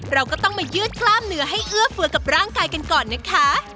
เราก็ต้องมายืดกล้ามเนื้อให้เอื้อเฟือกับร่างกายกันก่อนนะคะ